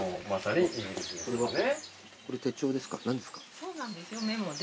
そうなんですよメモで。